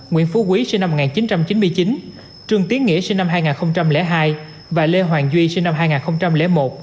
nguyễn phú quý sinh năm một nghìn chín trăm chín mươi chín trường tiến nghĩa sinh năm hai nghìn hai và lê hoàng duy sinh năm hai nghìn một